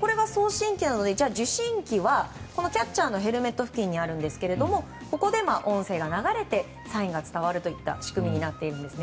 これが送信機なので受信機は、キャッチャーのヘルメット付近にあるんですがここで音声が流れてサインが伝わるといった仕組みになっているんですね。